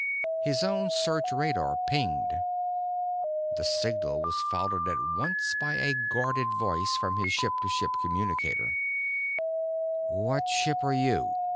His own search radar pinged. The signal was followed at once by a guarded voice from his ship to ship communicator: "What ship are you?